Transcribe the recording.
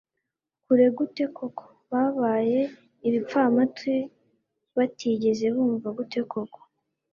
kure gute koko Babaye ibipfamatwi batigeze bumva gute koko